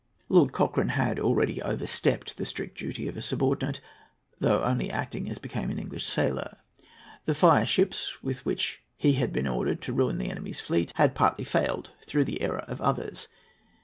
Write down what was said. Lord Cochrane had already overstepped the strict duty of a subordinate, though acting only as became an English sailor. The fireships with which he had been ordered to ruin the enemy's fleet had partly failed through the error of others.